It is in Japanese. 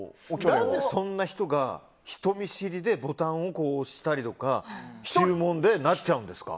何でそんな人が人見知りでボタンを押したりとか注文でなっちゃうんですか。